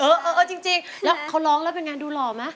เออจริงแล้วเขาร้องแล้วเป็นยังดูหล่อมั้ย